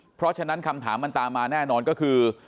เพราะฉะนั้นคำถามมันตามมาแน่นอนก็คือ